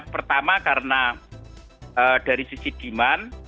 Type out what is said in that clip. pertama karena dari sisi demand